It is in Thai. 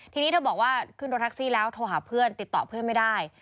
ทีนี้เธอบอกว่าขึ้นรถแท็กซี่แล้วโทรหาเพื่อนติดต่อเพื่อนไม่ได้